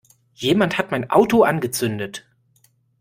Jemand hat mein Auto angezündet!